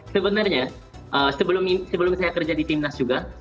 sebenarnya sebelum saya kerja di timnas juga